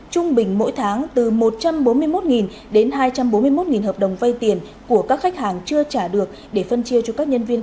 trung bình mỗi tháng từ một trăm bốn mươi một đến hai trăm bốn mươi một hợp đồng vay tiền của các khách hàng chưa trả được để phân chia cho các nhân viên